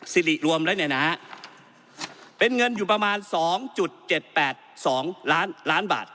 ซิริรวมและแนนาเป็นเงินอยู่ประมาณสองจุดเจ็ดแปดสองล้านล้านบาท